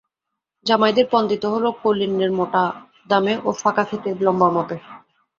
জামাইদের পণ দিতে হল কৌলীন্যের মোটা দামে ও ফাঁকা খ্যাতির লম্বা মাপে।